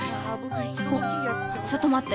ちょっと待って。